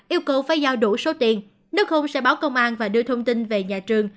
yêu cầu phải giao đủ số tiền nước không sẽ báo công an và đưa thông tin về nhà trường